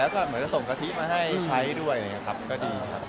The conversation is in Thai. เขาก็เหมือนจะส่งกะทิมาให้ใช้ด้วยนะครับก็ดีครับ